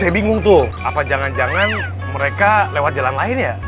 saya bingung tuh apa jangan jangan mereka lewat jalan lain ya